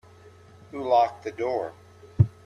Who locked the door?